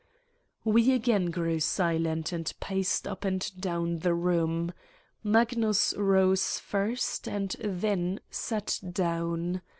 We again grew silent and paced up and down the room: Magnus rose first and then sat down.